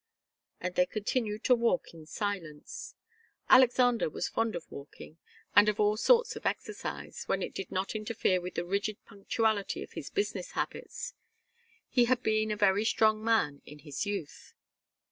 And they continued to walk in silence. Alexander was fond of walking and of all sorts of exercise, when it did not interfere with the rigid punctuality of his business habits. He had been a very strong man in his youth.